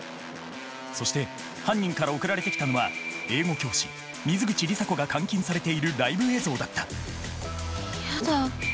そして犯人から送られてきたのは英語教師水口里紗子が監禁されているライブ映像だったやだ。